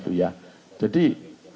atau berapa pekan di situ